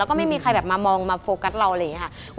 แล้วก็ไม่มีใครแบบมามองมาโฟกัสเราอะไรอย่างนี้ค่ะ